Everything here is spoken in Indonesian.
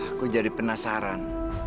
aku jadi penasaran